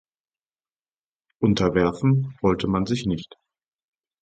Unterwerfen wollte man sich nicht.